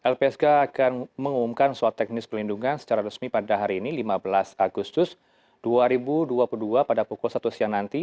lpsk akan mengumumkan surat teknis perlindungan secara resmi pada hari ini lima belas agustus dua ribu dua puluh dua pada pukul satu siang nanti